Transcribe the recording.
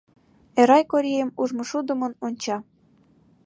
Эрай Корийым ужмышудымын онча.